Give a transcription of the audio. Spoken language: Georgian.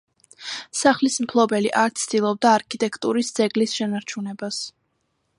სახლის მფლობელი არ ცდილობდა არქიტექტურის ძეგლის შენარჩუნებას.